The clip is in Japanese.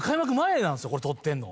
これ撮ってるの。